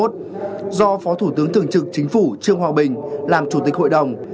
do phó thủ tướng thường trực chính phủ trương hòa bình làm chủ tịch hội đồng